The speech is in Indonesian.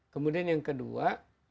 kemudian yang kedua